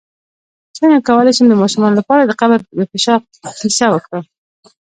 څنګه کولی شم د ماشومانو لپاره د قبر د فشار کیسه وکړم